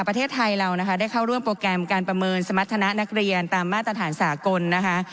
ประเทศไทยเรานะคะได้เข้าร่วมโปรแกรมการประเมินสมรรถนะนักเรียนตามมาตรฐานสากลนะคะ